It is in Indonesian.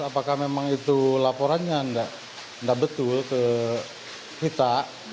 apakah memang itu laporannya tidak betul ke kita